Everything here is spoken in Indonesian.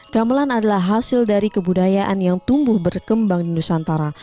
gamelan adalah hasil dari kebudayaan yang tumbuh berkembang di nusantara